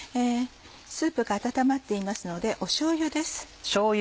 スープが温まっていますのでしょうゆです。